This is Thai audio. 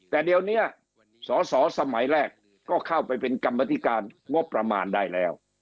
แต่เดี๋ยวนี้สอสอสมัยแรกก็เข้าไปเป็นกรรมธิการงบประมาณได้แล้ว